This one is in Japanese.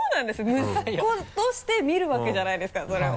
息子として見るわけじゃないですかそれを。